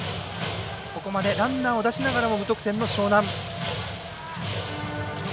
ここまでランナーを出しながらも無得点の樟南。